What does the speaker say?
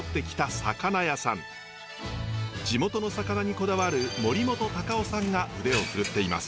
地元の魚にこだわる森本隆夫さんが腕を振るっています。